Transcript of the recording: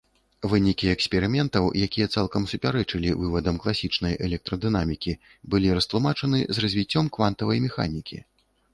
Вынікі эксперыментаў, якія цалкам супярэчылі вывадам класічнай электрадынамікі, былі растлумачаны з развіццём квантавай механікі.